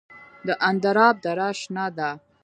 د اندراب دره شنه ده